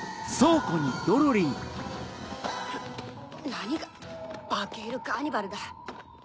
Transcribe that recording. なにがバケールカーニバルだ。